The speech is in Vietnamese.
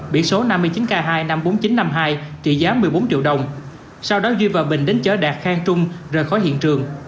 biển số năm mươi chín k hai trăm năm mươi bốn nghìn chín trăm năm mươi hai trị giá một mươi bốn triệu đồng sau đó duy và bình đến chở đạt khang trung rời khỏi hiện trường